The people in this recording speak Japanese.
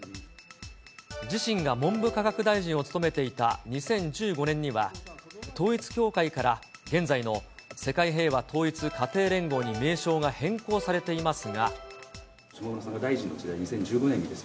自身が文部科学大臣を務めていた２０１５年には、統一教会から現在の世界平和統一家庭連合に名称が変更されていますが。